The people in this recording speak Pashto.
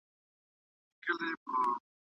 علمي مجله بې دلیله نه تړل کیږي.